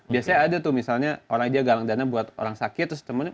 biasanya ada tuh misalnya orang aja galang dana buat orang sakit terus temennya